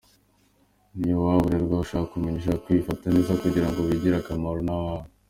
Niyo waba urerwa, ushaka kumenya, ushaka kwifata neza kugira ngo wigirire akamaro n’abawe.